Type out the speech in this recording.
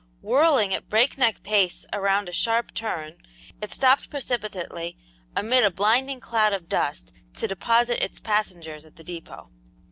Whirling at breakneck pace around a sharp turn, it stopped precipitately, amid a blinding cloud of dust, to deposit its passengers at the depot.